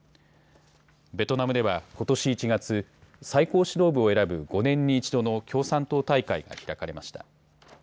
ベトナムではことし１月、最高指導部を選ぶ５年に１度の共産党大会が開かれました。